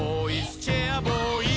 チェアボーイ！」